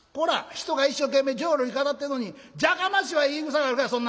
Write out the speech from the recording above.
人が一生懸命浄瑠璃語ってんのに『じゃかましいわ』言いぐさがあるかそんな！」。